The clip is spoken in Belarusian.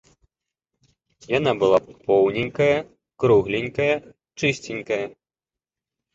Яна была поўненькая, кругленькая, чысценькая.